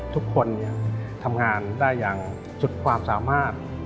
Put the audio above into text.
ทุกคนทำงานได้อย่างสุดความสามารถ